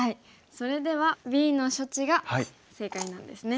それではＢの処置が正解なんですね。